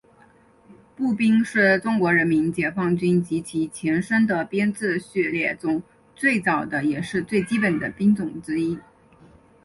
步兵是中国人民解放军及其前身的编制序列中最早的也是最基本的兵种之一。